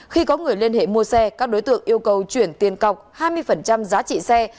khi có người liên hệ mua xe các đối tượng yêu cầu chuyển tiền cọc hai mươi giá trị xe